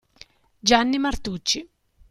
Gianni Martucci